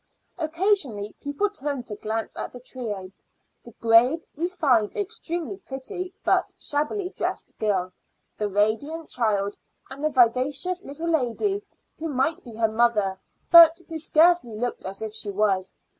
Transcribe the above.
Occasionally people turned to glance at the trio the grave, refined, extremely pretty, but shabbily dressed girl; the radiant child, and the vivacious little lady who might be her mother but who scarcely looked as if she was.